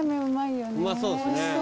うまそうですね。